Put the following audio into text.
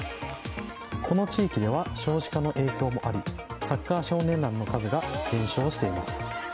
この地域では少子化の影響もありサッカー少年団の数が減少しています。